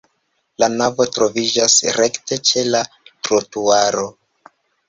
La navo troviĝas rekte ĉe la trotuaro.